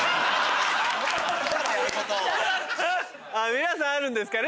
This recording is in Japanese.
皆さんあるんですかね？